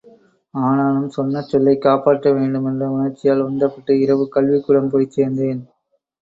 ஆனாலும் சொன்ன சொல்லைக் காப்பாற்ற வேண்டுமென்ற உண்ர்ச்சியால் உந்தப்பட்டு இரவுக் கல்விக்கூடம் போய்ச் சேர்ந்தேன்.